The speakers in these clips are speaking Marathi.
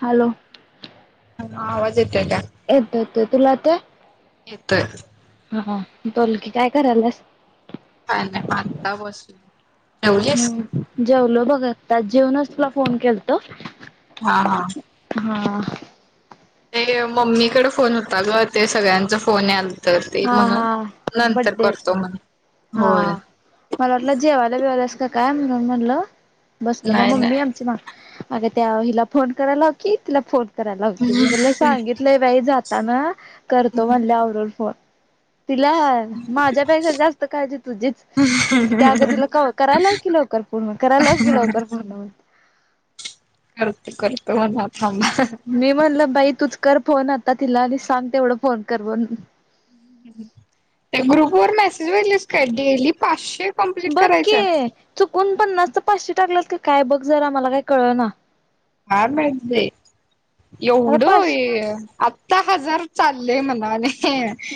हॅलो, ह आवाज येतोय का. येतोय येतोय तूला येतोय. येतोय. हा बोल की काय करायलास. काय नाही आता बसलो. ह जेवलीस? जेवलो बघत जेवनच तुला फोन केलतो. हा हा हा ते मम्मीकडे फोन होता ग ते सगळ्यांचा फोन याला. तर ते हा मग हा नंतर बड्डेच करतो म्हण हा. होय. मला वाटलं जेवायला बेवायला अस का काय म्हणून म्हटलं बसलं मग नाही मम्मी नाही आमची मा अग त्या हिला फोन करायला ह क तिला फोन करायला ह क मी मला सांगितलं बाई जात ताना करतो म्हणले आवरून फोन [inaudible] तिला माझ्यापेक्षा जास्त काळजी तुझीच [inaudible] त्याग तिला क करायलाव की लवकर पूर्ण करायलाव की लवकर पूर्ण [inaudible] करते करत मला [inaudible] मी म्हणलं बाई तूच कर फोन आता तिला आणि सांग तेवढं फोन कर म्हण [inaudible] [inaudible] त्या ग्रुप वर मेसेज बघितल का डेली पाचशे [inaudible] कंप्लीट बघ करायचंय के चुकून पन्नास तर पाचशे टाकलात का. काय बघ जरा आमला काय कळ ना [inaudible] [inaudible] हा म आता एवड पाचशे हजार चालले म्हणाने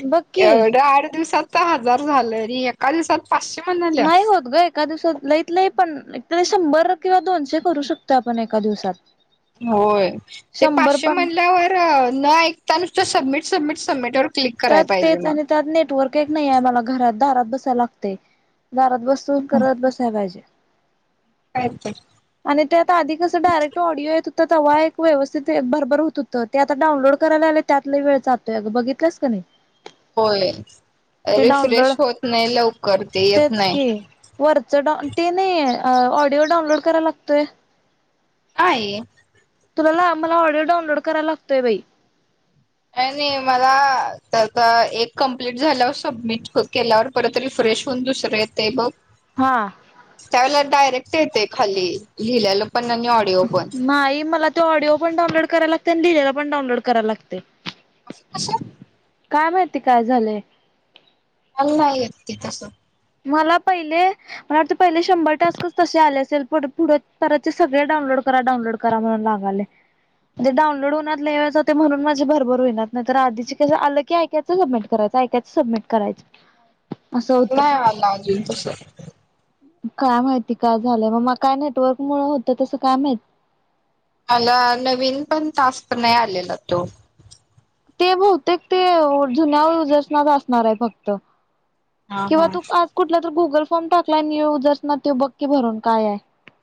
बघ की एवढ्या आठ दिवसात हजार झालंय री एका दिवसात पाचशे [inaudible] म्हणाल्या. नाही होत ग एका दिवसात लईत लई पण त शंभर किंवा दोनशे करू शकतो आपण एका दिवसात [inaudible] होय ते शंभर पाचशे पण म्हणल्यावर न ऐकता नुसत सबमिट सबमिट सबमिट क्लिक कराय त्यात पाहिजे तेच मग. आणि त्यात नेटवर्क एक नाही आहे मला घरात दारात बस ग दारात बसत करत बसाय पाहिजे. काय तर. [inaudible] [inaudible] आणि त्यात आधी कस डायरेक्ट ऑडिओ येत होत. तर वा एक व्यवस्थित एक भरभर होत होतं ते आता डाऊनलोड करायला आले त्यातला वेळ जातोय ग बघितलंस कणे [inaudible] [inaudible] होय. [inaudible] ते रिफ्रेश डाउनलोड होत नाही लवकर ते येत तेच नाही. कि वरच डा ते नाही [inaudible] अ ऑडिओ डाउनलोड करायला लागतोय. [inaudible] [inaudible] हाय [inaudible] तुला मला ऑडिओ डाउनलोड करायला लागतोय बाई [inaudible] मला त्याचा एक कमप्लीट झाल्यावर सबमिट केल्यावर परत फे शून दुसरं येते बघ. [inaudible] हा त्यावेळेला डायरेक्ट येते खाली लिहिलेला. नाहीई मला तो ऑडिओ पण डाऊनलोड करायला लागते आणि लिहिलेला पण डाऊनलोड कराय लागते. असं कसं का माहती काय झालंय? मला नाही येते तसं. मला पहिले मला वाटत पहिले शंभर टास्कच तसे आले असेल पुढे परत सगळे डाउनलोड करा डाऊनलोड करा म्हणून लागालय. म्हणे डाऊनलोड होणार लियच हो म्हून माझे भरभर होनणार नाही तर आधीचे कसं आलं क ऐयचं सबमिट करायच. ऐकायचं सबमिट करायचं. असं मला होतं नाही आला अजून तसं. काय माहिती काय झालंय? मग मग काय नेटवर्क मुळ होतं तस काय माहित? मला नवीन पण तास का नाही आलेला तो. ते बहुतेक ते जुन्या युजर्सना असणार आहे फक्त. हा किंवा हा. तू आज कुठला तर गुगल फॉर्म टाकलाय नि यूजर ना ते बक्की भरून काय आहे?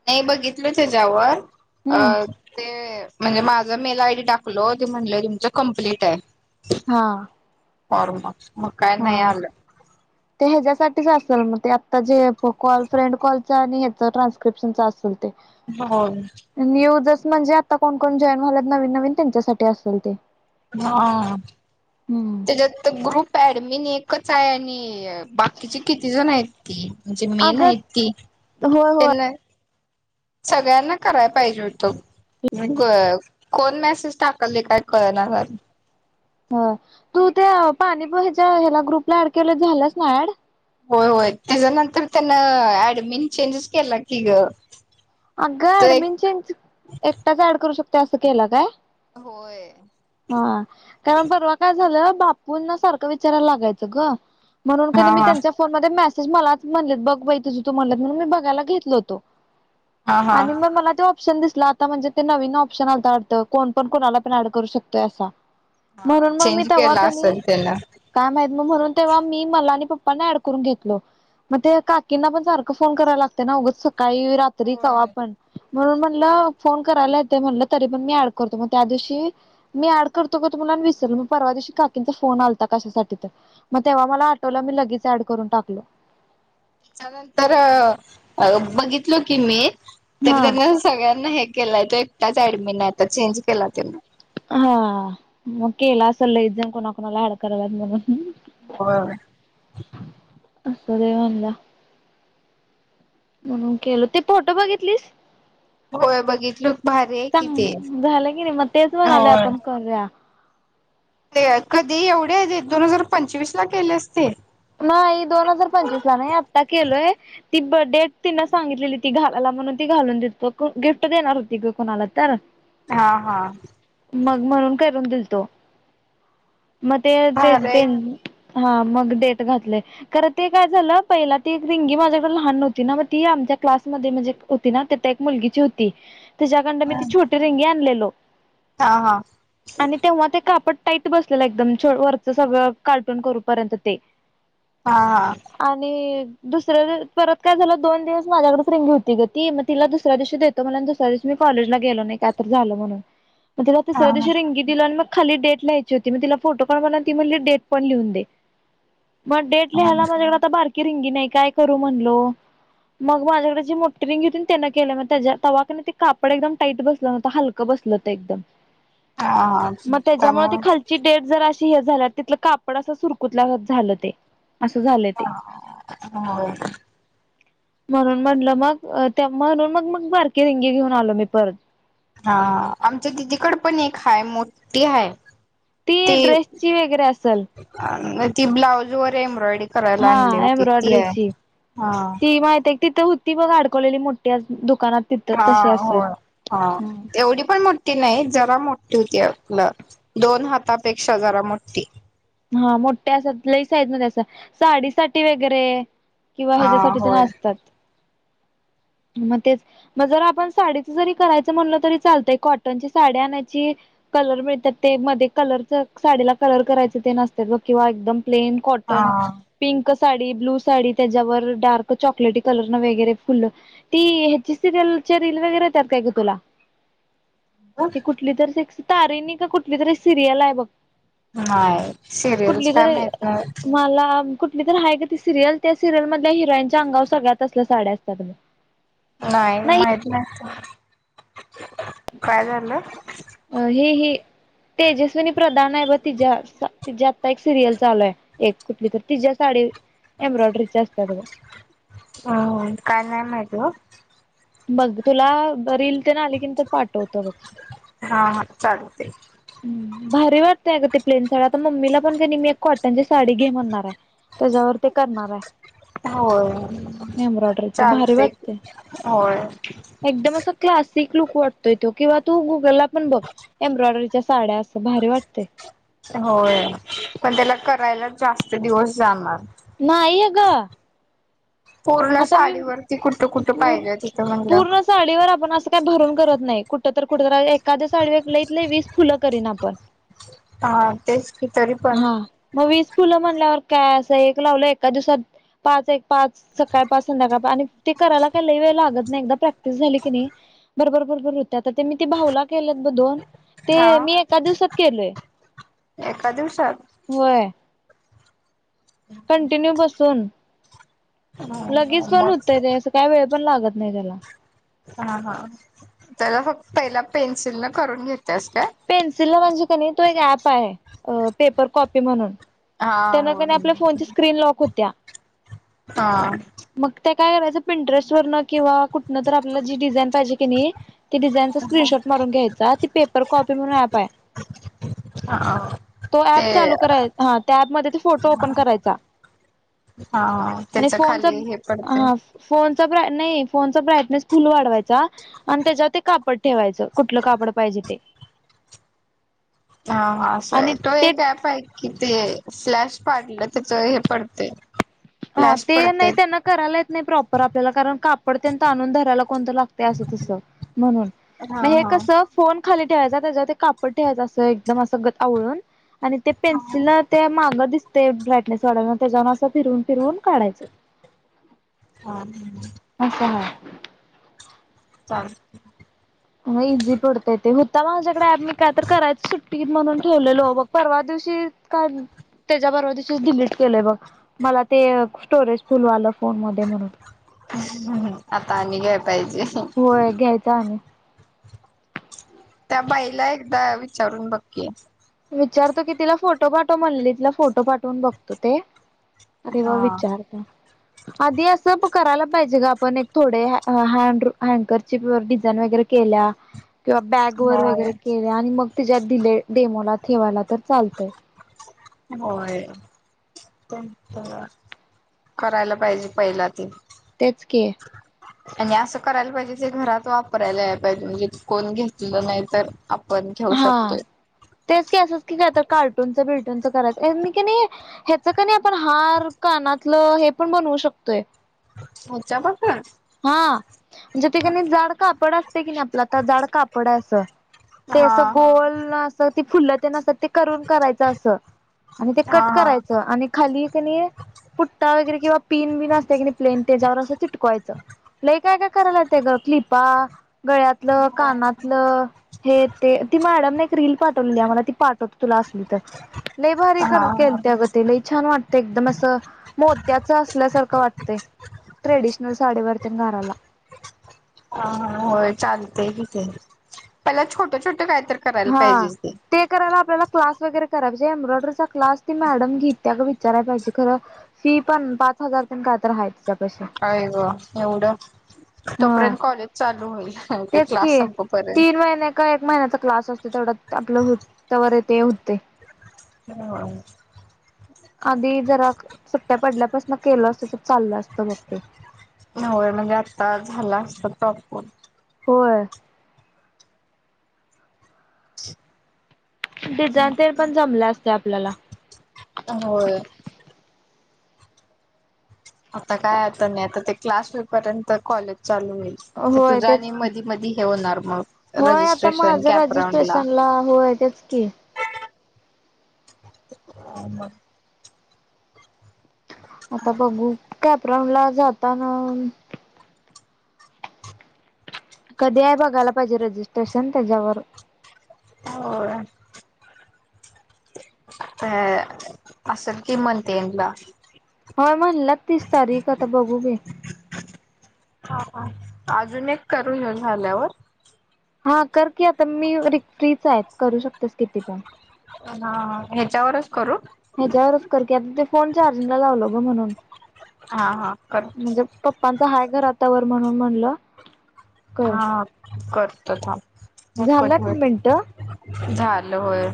नाही बघितलच त्याच्या्यावर हम्म अ ते म्हणजे माझा मेल आय डी टाकलो ते म्हटलं तुमच कमप्लीट आहे. हा. फॉर्म. मग काय नाही हा आलं ते ह्याच्यासाठीच असेल मग ते आ जे कॉल फ्रेंड कॉलचा आणि ह्याचा ट्रान्स्क्रिप्शनचा अस चालते हो नी यूजर म्हणजे आता कोण कोण जॉईन झालेत नवीन नवीन त्यांच्यासाठी असेल ते. हा हम्म त्याच्यात ग्रुप ऍडमिन एकच आहे आणि बाकीची किती जण आहेत ती म्हणजे मेन अगं आहेत ती होय होय त्यांना सगळ्यांना करायला पाहिजे होतं. कोण मेसेज टाकलंय काय कळणार झालय. ह तू त्या पाणीपोह्याच्या ह्याला ग्रुपला ऍड केलंय झाल्यास ना ऍड? होय होय त्याच्यानंतर त्यान ऍडमिन चेंजच केला की ग. अगगं तो एक ऍडमिन चेंज एकटाच ऍड करू शकते असं केला काय? होय हा कारण परवा काय झालं. बापूंना सारखं विचारायला लागायचं ग म्हणून हा कने मी हा त्यांच्या फोन मध्ये मॅसेज मग मला म्हणलेत बघ बाई तुझ तू म्हणलत म्हणून मी बघायला घेतलो होतो. हा हा आणि मग मला ते ऑप्शन दिस आता म्हणजे ते नवीन ऑप्शन आलता वाटत कोण पण कोणाला पण ऍड करू शकतोय असा. हा म्हणून मग मी चेंज तेव्हा केला कनी असेल त्यानं. काय माहित मग म्हणून तेव्हा मी मला आणि प् पप्पांना ऍड करून घेतलो मग ते काकीना पण सारखं फोन करायला लागतंय उगच सकाळी रात्री कवा होय. पण म्हणून म्हणलं फोन करायला येते म्हणलं तरी पण मी ऍड करतो मग त्या दिवशी मी ऍड करतो परवा दिवशी काकींचा फोन आलात कशासाठी तर तेव्हा मला आठवलं मी लगेच ऍड करून टाकलो. त्याच्यानंतर बघितलो की मी तरी हा त्यांना सगळ्यांना हे केलाय तो एकटाच ऍडमिन नाहीता चेंज केला तो. हा मग केला अस लय जन कोणाकुणाला ऍड कराल्यात म्हणून. होय. असू दे म्हणलं. म्हणून केल ते फोटो बघितलीस? होय बघितलो भारी आहे कि ते. चांग झालं की नाही मग तेच म्हणालोय होय. आपण करूया. कधी एवढे दोन हजार पंचवीस ला केल्यास ते. नाही दोन हजार पंचवीस ला नाही आत्ता केलोय. ती बर्थडेट तिं सांगितलेली ती घाला म्हणून ती घालून दिलतो गिफ्ट देणार होती ग कोणाला तर. हा हा. मग म्हणून करून दिलतो मग भारी ते आहे की ते. हा मग डे घातलय खरं ते काय झालं पहिला ती रिंगी माझ्याकडे लहान न्हवती ना मग ती आमच्या क्लासमध्ये म्हणजे होती ना ते एक मुलगीची होती त्याच्याकड मी ती छोटी रिंगी आणलेलो हा हा आणि तेव्हा ते कापड टाईट बसलेलं एकदम वरचं सगळं कार्टून करूपर्यंत ते हा आणि दुसऱ्या परत काय झालं दोन दिवस माझ्याकडेच रिंगी होती गती म तिला दुसऱ्या दिवशी देतो म्हटलेलं आणि दुसऱ्या दिवस मी कॉलेजला गेल नाही काय तरी झाल म्हणून मला तिला हा तिसऱ्या दिवशी हा रंगी दिलो आणि मग खाली डेट लिहायची होती मग तिला फोटो काढ म्हनताना ती मम्हटली डेट पण लिहून दे मग डेट लिहायला माझ्याकडे आता बारकी रिंगी नाही काय करू म्हणलो मग माझ्याकडे जी मोटीरिंगी होती त्यानं केलो मग त्या तवा कने ते कापड एकदम टाईट बसलं न्हवत हलकं बस बसल ते एकदम हा मग त्याच्यामुळ ती त्यामुळे खालची डेट जराशी झाल्या तिथलं कापड असं सुरकुत झालं ते असं झालं ते हा हो म्हणून म्हटलं मग म्हणून मग मग बारकीे रिंगे घेऊन आलो मी परत हा आमच्या दिदीकड पण एक हाय मोठी हाय ती ते ड्रेसची वगैरे असेल ती ब्लाउज वर एम्ब्रॉयड हा एम्ब्रॉयडरीची हा. ती माहती आहे तिथ होती बघ अडकलेली मोठी दुकानात तिथं हा तशी हो असेल हा एवढी पण मोठी नाही जरा मो ती आप दोन हातापेक्षा जरा मोठी हा मोठे असात लई साईज मध्ये असा साडी सा वगैरे किंवा हा ह्याच्यासाठी तर होय नाचतात [unintelligible] मग तेच मग जर आपण साडीच जरी करायचं म्हणलं तरी चालतंय कॉटनची साडी आणायची कलर मिळतात ते मध्ये कलर साडीला कलर करायच किंवा एकदम प्लेन कॉटन हा. पिंक साडी ब्लू साडी त्याच्यावर डार्क चॉकलेटी कलर न वगैरे फुल ती ह्याची सरल रील वगैरे काय ग तुला [unintelligible] तेी कुठली तरी तारिणी का कुठली तरी सिरियल आहे बघ नाही सिरियल्स कुठली काय तरी माहित नाही मला कठली तर आहे का ती सिरियल त्या सिरियल मधल्या हिरोईनचा अंगाव सगळ्यात असल्या साड्या असतात नाही माहित नसत काय झालं अ हे हे तेजस्विनी प्रधान आहे ब ति ति आत्ता एक सिरियल चालूय एक कुठली तर तिच्या्या साडी एब्रॉयडरी जास्त अव हम काय नाही माहिती मग तुला रीलील ते ना आली की तर पाठवत बघ हा हा चालते. भारी वाटतेय का ती प्लेन साडी आता मम्मीला पण का नाही मी एक कॉटन ची साडी घे म्हणणार आहे त्याच्यावर ते करणार आहे होय एम्ब्रॉयडरीच भारी चालते वाटते होय एकदम अस क्लासिक लुक वाटतोय तो किंवा तू गुगलला पण बघ एम्ब्रॉयडरीच्या साड्या असं भारी वाटते होय पण त्याला करायला जास्त दिवस जाणार नाय हग पूर्ण साडीवरतीठ प पूर्ण साडीवर आपण असं काही भरून करत नाही कुठ तर कुठ एखादे साडक लईित वीस फुलं कर ना आपण हा तेच की तरी पण हा मग वीस फुलं म्हणल्यावर काय असं एक लावलं एका दिवसात पाच एक पाच. काय करायला वे लागत नाही एक प्रॅक्टिस झाली की नाही बर बरत. मी ते भाऊला केल्यात बधोन. ते हा मी एका दिवसात केलय एका दिवसात होय. कंटिन्यू बसून लगेच पण मग होतंय ते काय वेळ पण लागत नाही त्याला हा हा त्याला फक् पहिला पेन्सिल न करून घेतेस का? पेन्सिलला म्हणजे का नाही तो एक ऍप आहे पेपर कॉपी म्हणून हा त्यांना हो क आपल्या फोनच्या स्क्रीन लॉक होत्या. हा. मग त्या काय करायचं पिंटरेस्ट वरन किंवा कुठं तर आपला जी डिझाईन पाहिजे की नाही. ते डिझाईनचा स्क्रीनशॉट मारून घ्यायचा ती पेपर कॉपी म्हणून आहे. हा तो ते ऍप चालू कराय हा त्या पमध्येध्ये फोटो ओपन करायचा. हा आणि त्याच फोनचा खाली हे पडते हा फोन फो ब्रट फुल वाढवायचा त्याच्यावर कापड ठेवायच कुठ काडजे. ते हा हा असं आहे आणि तो एक ते ऍप आहे की. ते स्लॅश पाडलं त्याच हे पडते. हा फ्लॅश ते पडते नाही त्यांना करायलाेत नाही प्रप आपल्याला कारण कापड त्यांंत आणून धरायला कोणतं लागत असं तस. म्हणून हा म हे हा कस फोन. खाली ठेवायचा त्याच्यावर कापड ठेवायचं असं एकदम असं आवळून आणि ते पेन्सिलला ते महागं दिसते ब्राटनेस वाढयं त्याच्यान असं फिरून तिरून काढयच. हा ह. चाल. म इझी पडतय ते होता माझ्याकडे ऍमिक काय तर करायच सुट म्हणून ठेवलेलो ब परवा दिवशी काय? त्याच्याबरोबर डिलीट केलंय बघ मला ते स्टोरेज फुलवालं फोन मध्ये म्हणून आता आणि घ्याय पाहिजे. होय घ्यायचा आणि त्या बाईला एकदा विचारून बघकी विचारतो की तिला फोटो पाठव म्हणलेली तिला फोटो पाठवून बघतो ते. अरेव हा. विचारता. आधी अस करायला पाहिजे ग आपण एक थोडे हँड हँकरची डिझाईन वगैरे केला. किंवा बॅग वर होय वगैरे केले आणि मग तिच्यात दिले डेमोला ठेवायला तर चालतय. होय करायला पाहिजे पहिला ते. त्याच के आणि असं करायला पाहिजे जे घरात वापरायला या पाहिजे म्हणजे कोण घेतलं नाही तर आपण घेऊ हा शकतोय. तेच की असंच की का तर कार्टून च बिल्टून च करायच नाही ह्याच क नाही आपण हार कानातलं हे पण ब ह्याच्यापासून? हा म्हणेिका जाड कापड. की नाही आपलं जाड कापड आहे असं ते हा असं गोल अस ते फुलं ते ना. ते करून करायचं असं आणि ते हा कट हा. करायचं आणि खाली कणी पुट्टा वगैरे किंवा पिन बिन असते कि नाही प्लेन त्याच्यावर असं चिटकवायचं. लई काय काय करायला ते ग क्लिपा गळ्यातलं कानातलं. ते ती मॅडमने एक रील पाठवलेली आम्हाला ती पाठवत तुला असली तर लई भारी हा कर केते अग ते लई छान वाटत. ते एकदम असं मोत्याचं असल्यासारखं वाटतंय. ट्रेडिशणल सााडी बरतन काारला. ह होय चालते किथे पला छोटे छोटे काय तर करायला हा पाहिजेच ते करा आपल्याला क्लास ह काय तरय अय ग एवढं हा तोपर्यंत कॉलेज चालू होईलते तेच क्लास की संपोपर्यंत तीन महिने एक महिन्याचा क्लास असते तेवढं आपलं हो त्यावर ते होते ह आधी जरा सुट्ट्या पडल्यापासून केल असत तर चाललं असत बघ ते होय म्हणजे आता झाला असत तपून होय डिझाान तेल पण जमले असते आपल्याला अ आता काय आता नाही आता ते क्लास पर्यंत कॉलेज चालू होल तर होय तुझा तेच आणि की मधी मधी हे होणार मग रजिस्ट्रेशन कॅपराऊंड ला ह होय त्याच की हम आता बघू कॅपराड ला जातना कधी आहे बघायला पाहिजे रजिस्ट्रेशन त्याच्यावर हो तर असल कि म्हणते येला होय म्हणलं तीस तारीख आता बघू घी ह ह अजून एक करून घेऊन झाल्यावर हा करकी आता मी र फ्रीच आहे करू शकतेस किती पण हा ह्याच्यावरच करू ह्याच्यावरच कर की आता ते फोन चार्जिंग ला लावलो ग म्हणून हा हा करे म्हणजे पप्पांचा हाय घर आताावर म्हणून म्हणलं हा करतो थांब. हे कट झालंत होईल मिनट झालं होय